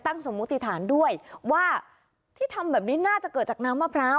สมมุติฐานด้วยว่าที่ทำแบบนี้น่าจะเกิดจากน้ำมะพร้าว